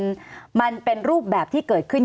สวัสดีครับทุกคน